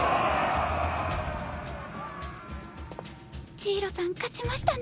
ジイロさん勝ちましたね。